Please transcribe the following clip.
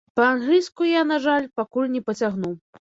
Па-англійску я, на жаль, пакуль не пацягну.